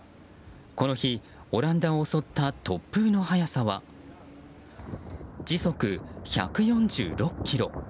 この日、オランダを襲った突風の速さは時速１４６キロ。